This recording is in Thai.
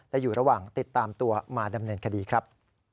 และอยู่ระหว่างติดตามตัวมาดำเนินคดีครับ